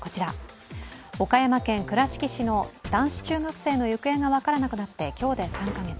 岡山県倉敷市の男子中学生の行方が分からなくなって今日で３か月。